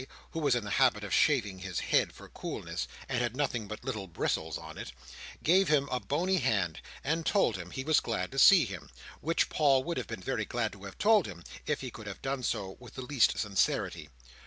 (who was in the habit of shaving his head for coolness, and had nothing but little bristles on it), gave him a bony hand, and told him he was glad to see him—which Paul would have been very glad to have told him, if he could have done so with the least sincerity.